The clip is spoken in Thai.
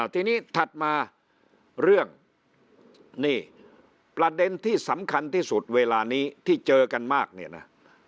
ทีนี้ถัดมาเรื่องนี่ประเด็นที่สำคัญที่สุดเวลานี้ที่เจอกันมากเนี่ยนะ